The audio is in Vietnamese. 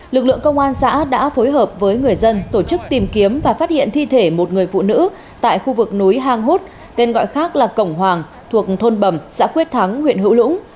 lực lượng công an xã đã phối hợp với người dân tổ chức tìm kiếm và phát hiện thi thể một người phụ nữ tại khu vực núi hang hút tên gọi khác là cổng hoàng thuộc thôn bầm xã quyết thắng huyện hữu lũng